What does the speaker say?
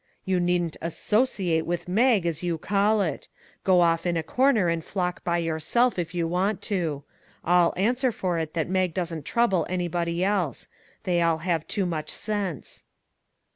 You needn't associate with Mag, as you call it ; go off in a corner and flock by yourself, if you want to; I'll answer for it that Mag doesn't trouble anybody else ; they all have too much sense."